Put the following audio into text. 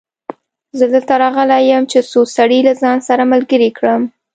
زه دلته راغلی يم چې څو سړي له ځانه سره ملګري کړم.